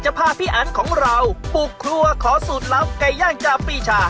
พาพี่อันของเราปลูกครัวขอสูตรลับไก่ย่างจาปีชา